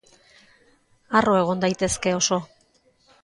Harro egon daitezke oso.